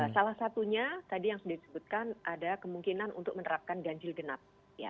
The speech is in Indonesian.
salah satunya tadi yang sudah disebutkan ada kemungkinan untuk menerapkan ganjil genap